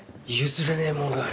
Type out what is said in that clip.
「譲れねえもんがある」